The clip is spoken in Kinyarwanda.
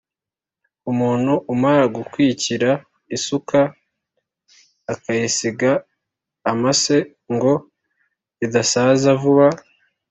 Umuntu amara gukwikira isuka akayisiga amase ngo idasaza vuba